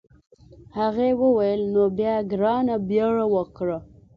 هغې وویل نو بیا ګرانه بیړه وکړه.